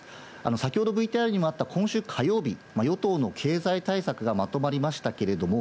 先ほどＶＴＲにもあった今週火曜日、与党の経済対策がまとまりましたけれども、。